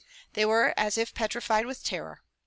They were as if petrified with terror.